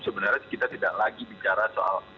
sebenarnya kita tidak lagi bicara soal